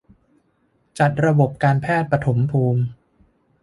จัดระบบการแพทย์ปฐมภูมิ